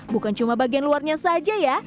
bukan cuma bagian luarnya saja ya